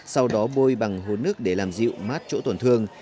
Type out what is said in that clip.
sau đó bôi bằng hố nước để làm dịu mát chỗ tổn thương